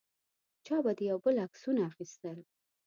چا به د یو بل عکسونه اخیستل.